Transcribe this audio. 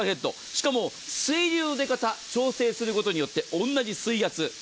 しかも水流の出方調整することによって同じ水圧。